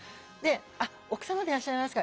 「あっ奥様でいらっしゃいますか？」。